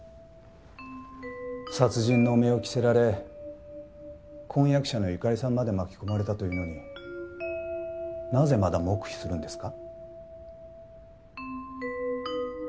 殺人の汚名を着せられ婚約者の由香利さんまで巻き込まれたというのになぜまだ黙秘するんですか？